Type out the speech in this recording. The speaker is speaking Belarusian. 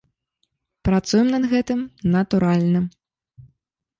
Працуем над гэтым, натуральна!